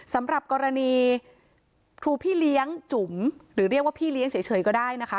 สำหรับกรณีครูพี่เลี้ยงจุ๋มหรือเรียกว่าพี่เลี้ยงเฉยก็ได้นะคะ